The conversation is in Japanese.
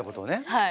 はい。